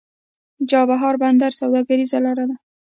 د چابهار بندر سوداګریزه لاره ده